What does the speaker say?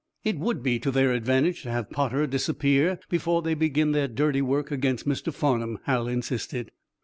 "It would be to their advantage to have Potter disappear before they begin their dirty work against Mr. Farnum," Hal insisted.